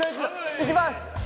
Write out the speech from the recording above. いきます！